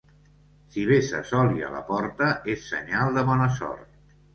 Si vesses oli a la porta és senyal de bona sort.